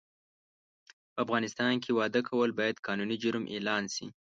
په افغانستان کې واده کول باید قانوني جرم اعلان سي